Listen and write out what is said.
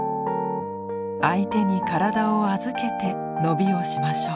相手に体を預けて伸びをしましょう。